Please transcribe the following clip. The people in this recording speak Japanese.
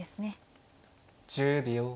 １０秒。